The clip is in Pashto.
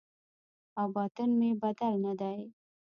او باطن مې بدل نه دی